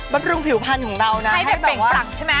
ประปรุงผิวพันธ์ของเราแบบว่าให้เปลี่ยงปลั่งใช่ไหม